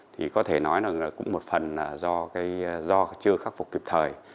thì có thể nói là cũng một phần là do chưa khắc phục kịp thời